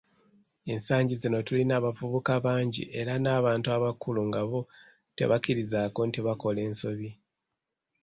Ensangi zino tulina abavubuka bangi era n'abantu abakulu nga bo tebalikkirizzaako nti bakola ensobi.